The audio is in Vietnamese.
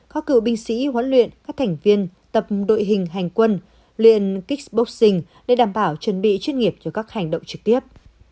có cựu binh sĩ huấn luyện các thành viên tập đội hình hành quân luyện kickboxing để đảm bảo chuẩn bị chuyên nghiệp cho các hành động trực tiếp